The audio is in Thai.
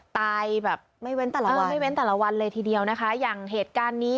ตายแบบไม่เว้นแต่ละวันเลยทีเดียวนะคะอย่างเหตุการณ์นี้